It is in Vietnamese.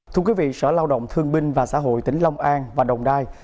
thưa quý vị sở lao động thương binh và xã hội tỉnh long an và đồng đai